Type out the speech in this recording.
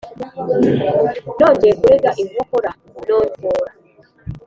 Nongeye kurega inkokora nongera ndafora